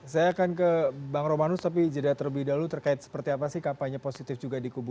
saya akan ke bang romanus tapi jeda terlebih dahulu terkait seperti apa sih kampanye positif juga di kubu dua